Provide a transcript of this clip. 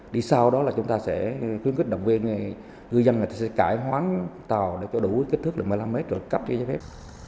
đi sau đó là chúng ta sẽ khuyến khích động viên ngư dân sẽ cải hoán tàu đủ kích thước một mươi năm mét rồi cấp cho giấy phép